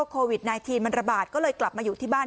โควิด๑๙มันระบาดก็เลยกลับมาอยู่ที่บ้าน